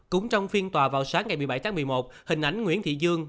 cũng trong phiên tòa vào sáng ngày một mươi bảy tháng một mươi một hình ảnh nguyễn thị dương